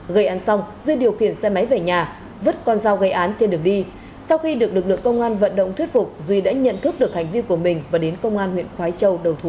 gây án xong duy điều khiển xe máy về nhà vứt con dao gây án trên đường đi sau khi được lực lượng công an vận động thuyết phục duy đã nhận thức được hành vi của mình và đến công an huyện khói châu đầu thú